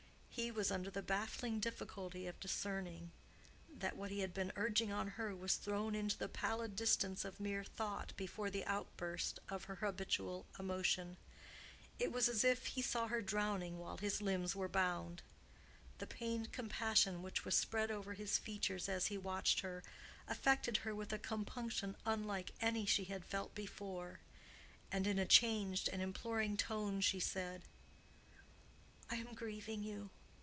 He was under the baffling difficulty of discerning that what he had been urging on her was thrown into the pallid distance of mere thought before the outburst of her habitual emotion. It was as if he saw her drowning while his limbs were bound. The pained compassion which was spread over his features as he watched her, affected her with a compunction unlike any she had felt before, and in a changed and imploring tone she said, "I am grieving you.